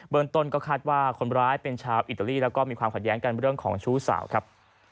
ต้นก็คาดว่าคนร้ายเป็นชาวอิตาลีแล้วก็มีความขัดแย้งกันเรื่องของชู้สาวครับ